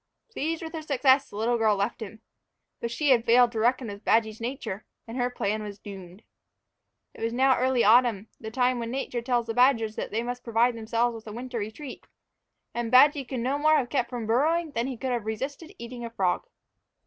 Pleased with her success, the little girl left him. But she had failed to reckon with Badgy's nature, and her plan was doomed. It was now early autumn, the time when Nature tells the badgers that they must provide themselves with a winter retreat, and Badgy could no more have kept from burrowing than he could have resisted eating a frog.